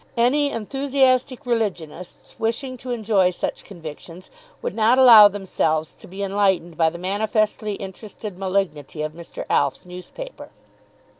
Any enthusiastic religionists wishing to enjoy such conviction's would not allow themselves to be enlightened by the manifestly interested malignity of Mr. Alf's newspaper.